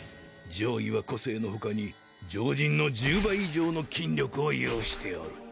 上位は個性の他に常人の１０倍以上の筋力を有しておる。